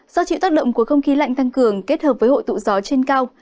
do chịu tác động của không khí lạnh tăng cường kết hợp với hội tụ gió trên cao